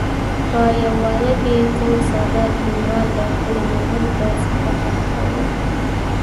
په يوه واده کې څو ساده کليوال د خپلو مېرمنو په صفت اخته وو.